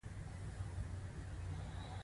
چې پۀ نتېجه کښې ايريکټائل ډسفنکشن پېدا کيږي